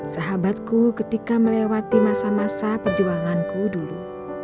sahabatku ketika melewati masa masa perjuanganku dulu